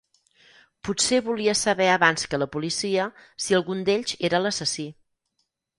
Potser volia saber abans que la policia si algun d'ells era l'assassí.